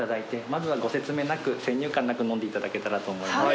まずはご説明なく先入観なく飲んでいただけたらと思います。